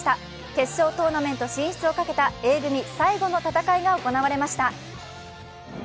決勝トーナメント進出をかけたＡ組最後の戦いが行われました。